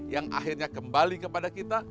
yang akhirnya kembali kepada kita